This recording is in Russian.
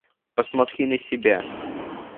Посмотри на себя.